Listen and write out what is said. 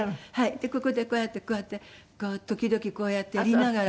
でここでこうやってこうやって時々こうやってやりながら。